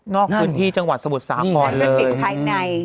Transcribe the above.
นอกพื้นที่จังหวัดสะบดสากรเลยนั่นนี่คือติดภายใน